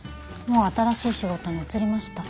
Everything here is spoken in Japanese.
もう新しい仕事に移りました。